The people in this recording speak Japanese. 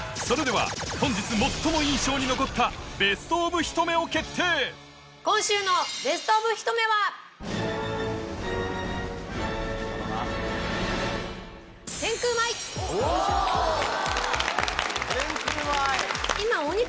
それでは本日最も印象に残ったお！